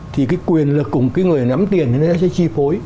thì cái quyền lực cùng cái người nắm tiền nó sẽ chi phối